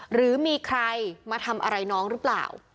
หรือมีใครมาทำอะไรน้องหรือเปล่า